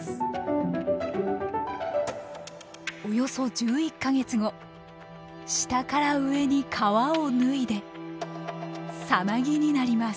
およそ１１か月後下から上に皮を脱いで蛹になります。